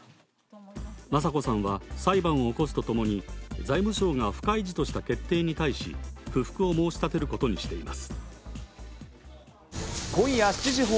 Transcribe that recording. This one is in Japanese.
雅子さんは、裁判を起こすとともに、財務省が不開示とした決定に対し、不服を申し立てることにしています。